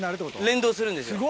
連動するんですよ。